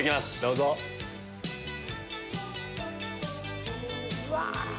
うわ！